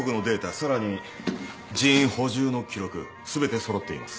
さらに人員補充の記録全て揃っています。